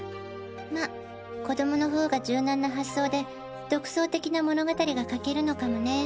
ま子供の方が柔軟な発想で独創的な物語が書けるのかもね。